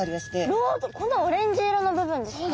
このオレンジ色の部分ですか？